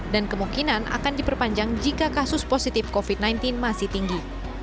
dan kemungkinan akan diperpanjang jika kasus positif covid sembilan belas masih tinggi